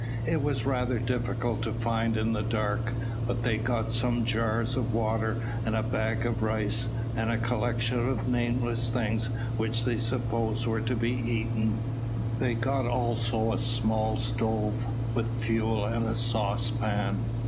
It was rather difficult to find in the dark, but they got some jars of water, and a bag of rice, and a collection of nameless things which they supposed were to be eaten. They got also a small stove, with fuel, and a saucepan.